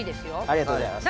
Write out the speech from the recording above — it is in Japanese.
ありがとうございます。